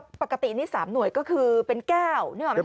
ก๊อปปกตินี้๓หน่วยก็คือเป็นแก้วใช่มั้ยคะ